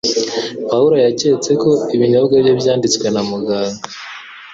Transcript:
Pawulo yaketse ko ibinyobwa bye byanditswe na muganga